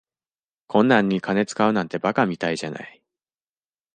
こんなんに金使うなんて馬鹿みたいじゃない。